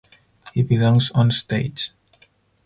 He belongs on stage!